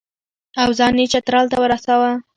او ځان یې چترال ته ورساوه.